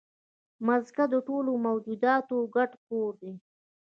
مځکه د ټولو موجوداتو ګډ کور دی.